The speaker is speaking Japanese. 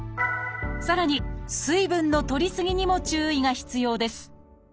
さらに水分のとりすぎにも注意が必要です